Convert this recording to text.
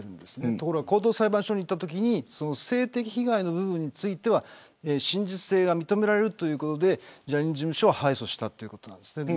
ところが高等裁判所にいったときに性的被害の有無については真実性が認められるということでジャニーズ事務所が敗訴しました。